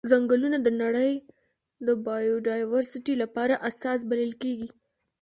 ځنګلونه د نړۍ د بایوډایورسټي لپاره اساس بلل کیږي.